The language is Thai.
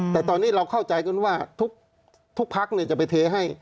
แต่ตอนนี้เราเข้าใจกันว่าทุกพักจะไปเทให้